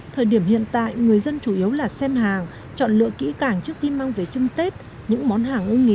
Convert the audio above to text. thời điểm hiện tại người dân chủ yếu là xem hàng chọn lựa kỹ cảnh trước khi mang về chân tết những món hàng ưu nghí